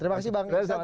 terima kasih bang ismail